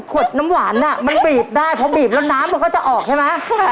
หอดน้ำหวานอะมันบีบได้เพราะบีบแล้วน้ำก็จะออกใช่ไหม